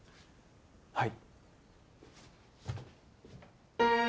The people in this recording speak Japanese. はい。